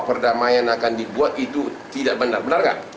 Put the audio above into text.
perdamaian akan dibuat itu tidak benar benar nggak